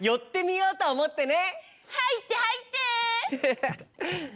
はいってはいって！